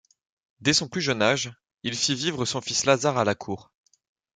Dès son plus jeune âge, il fit vivre son fils Lazar à la cour.